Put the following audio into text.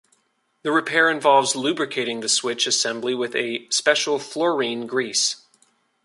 The repair involves lubricating the switch assembly with a special fluorine grease.